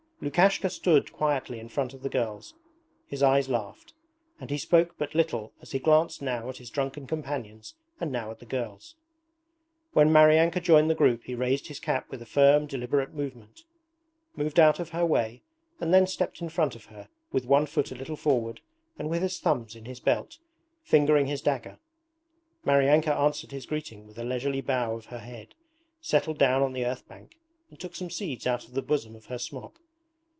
Lukashka stood quietly in front of the girls, his eyes laughed, and he spoke but little as he glanced now at his drunken companions and now at the girls. When Maryanka joined the group he raised his cap with a firm deliberate movement, moved out of her way and then stepped in front of her with one foot a little forward and with his thumbs in his belt, fingering his dagger. Maryanka answered his greeting with a leisurely bow of her head, settled down on the earth bank, and took some seeds out of the bosom of her smock.